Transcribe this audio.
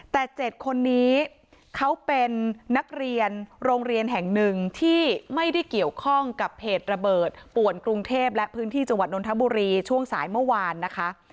แต่๗คนนี้เขาเป็นนักเรียนโรงเรียนแห่งหนึ่งที่ไม่ได้เกี่ยวข้องกับเหตุระเบิดป่วนกรุงเทพและพื้นที่จังหวัดนทบุรีช่วงสายเมื่อวานนะคะ